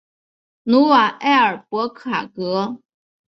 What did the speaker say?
努瓦埃尔博卡格。